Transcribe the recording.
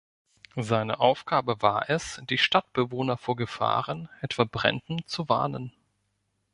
Seine Aufgabe war es, die Stadtbewohner vor Gefahren, etwa Bränden, zu warnen.